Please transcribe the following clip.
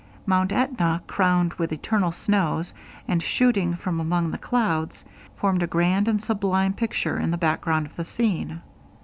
Mount Etna, crowned with eternal snows, and shooting from among the clouds, formed a grand and sublime picture in the background of the scene.